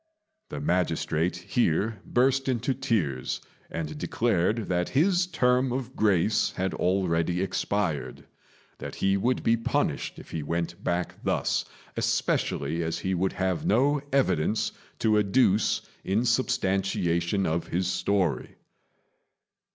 The magistrate here burst into tears, and declared that his term of grace had already expired: that he would be punished if he went back thus, especially as he would have no evidence to adduce in substantiation of his story.